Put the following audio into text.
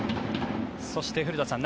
そして、古田さん